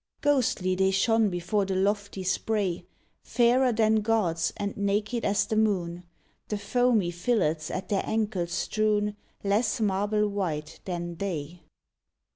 Ghostly they shone before the lofty spray — Fairer than gods and naked as the moon, The foamy fillets at their ankles strewn Less marble white than they.